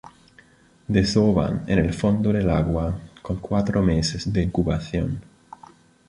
Desovan en el fondo del agua, con cuatro meses de incubación.